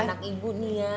emang anak anak ibu nih ya